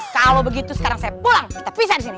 kalau begitu sekarang saya pulang kita pisah di sini